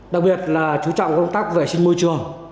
đặc biệt là chú trọng công tác vệ sinh môi trường